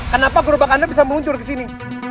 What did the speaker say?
kenapa gerobak anda bisa meluncur kesini